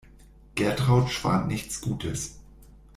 Gertraud schwant nichts Gutes.